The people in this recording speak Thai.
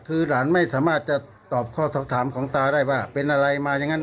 คือหลานไม่สามารถจะตอบข้อสอบถามของตาได้ว่าเป็นอะไรมาอย่างนั้น